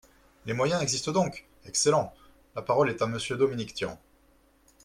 Les moyens existent donc ! Excellent ! La parole est à Monsieur Dominique Tian.